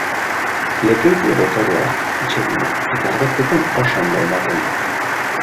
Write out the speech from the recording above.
Lekeitio dotorea da, atsegina, eta argazkietan oso ondo ematen du.